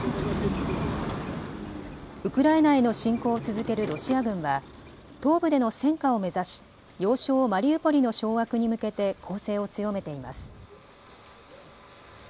ウクライナへの侵攻を続けるロシア軍は東部での戦果を目指し要衝マリウポリの掌握に向けて攻勢を強めています。